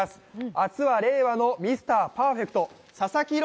明日は令和のミスターパーフェクト・佐々木朗